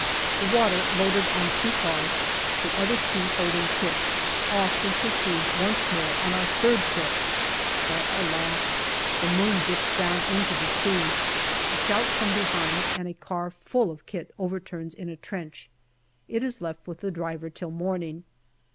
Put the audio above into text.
The water loaded on two cars, the other two holding kit, off we proceed once more on our third trip, but, alas ! the moon dips down into the sea. A shout from behind, and a car full of kit overturns in a trench. It is left with the driver till morning.